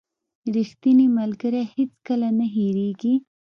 • ریښتینی ملګری هیڅکله نه هېریږي.